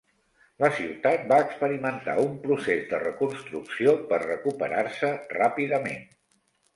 La ciutat va experimentar un procés de reconstrucció per recuperar-se ràpidament.